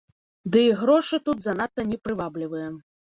Ды і грошы тут занадта не прываблівыя.